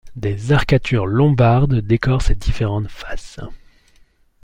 Des arcatures lombardes décorent ses différentes faces.